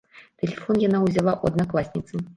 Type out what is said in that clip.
Тэлефон яна ўзяла ў аднакласніцы.